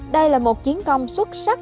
đây là một chiến công xuất sắc